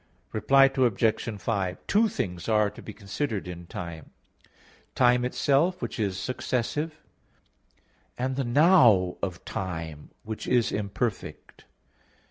Reply Obj. 5: Two things are to be considered in time: time itself, which is successive; and the "now" of time, which is imperfect.